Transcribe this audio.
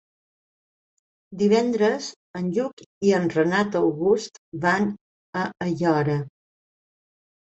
Divendres en Lluc i en Renat August van a Aiora.